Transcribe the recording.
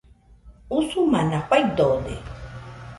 Usumana faidode